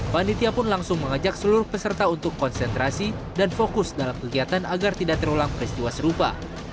panitia pun langsung mengajak seluruh peserta untuk konsentrasi dan fokus dalam kegiatan agar tidak terulang peristiwa serupa